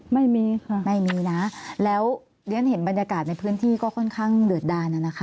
ไม่มีค่ะไม่มีนะแล้วเรียนเห็นบรรยากาศในพื้นที่ก็ค่อนข้างเดือดดานนะคะ